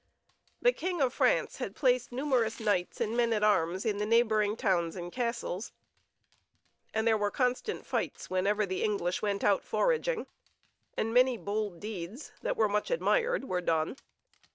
The King of France had placed numerous knights and men at arms in the neighboring towns and castles, and there were constant fights whenever the English went out foraging, and many bold deeds that were much admired were done.